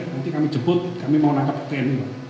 nanti kami jemput kami mau nangkap tni